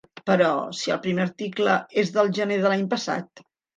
Però si el primer article és del gener de l'any passat!